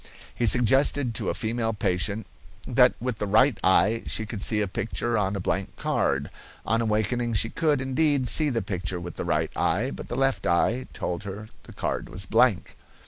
He suggested to a female patient that with the right eye she could see a picture on a blank card. On awakening she could, indeed, see the picture with the right eye, but the left eye told her the card was blank.